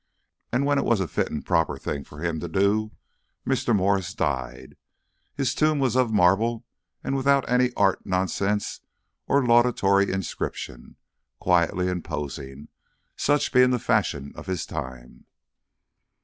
And when it was a fit and proper thing for him to do so, Mr. Morris died. His tomb was of marble, and, without any art nonsense or laudatory inscription, quietly imposing such being the fashion of his time.